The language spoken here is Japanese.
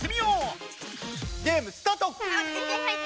ゲームスタート！